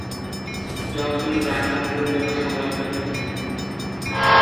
Johnson run সংগ্রহের জন্য সংগ্রাম করতে থাকেন।